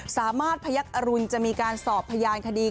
สามารถพยักษรุณจะมีการสอบพยานคดี